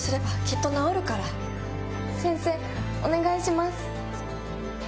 先生お願いします！